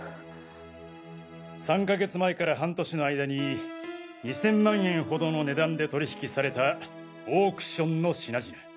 ３か月前から半年の間に２０００万円ほどの値段で取引されたオークションの品々